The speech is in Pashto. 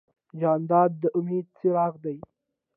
جانداد د امید څراغ دی.